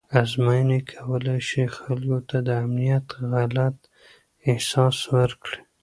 ازموینې کولی شي خلکو ته د امنیت غلط احساس ورکړي.